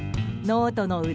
ノートの裏